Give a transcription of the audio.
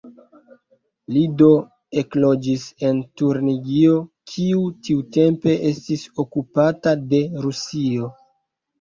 Li do ekloĝis en Turingio, kiu tiutempe estis okupata de Rusio.